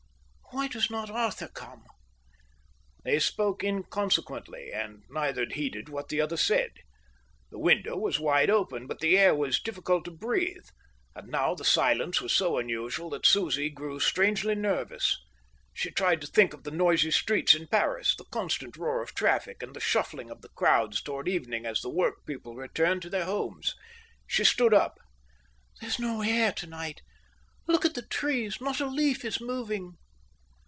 "Why does not Arthur come?" They spoke inconsequently, and neither heeded what the other said. The window was wide open, but the air was difficult to breathe. And now the silence was so unusual that Susie grew strangely nervous. She tried to think of the noisy streets in Paris, the constant roar of traffic, and the shuffling of the crowds toward evening as the work people returned to their homes. She stood up. "There's no air tonight. Look at the trees. Not a leaf is moving."